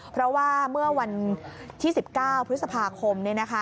เพราะว่าเมื่อวันที่๑๙พฤษภาคม